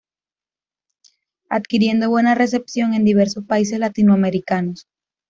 Adquiriendo buena recepción en diversos países latinoamericanos.